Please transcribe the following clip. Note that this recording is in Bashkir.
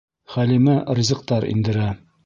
Хәлимә ризыҡтар индерә.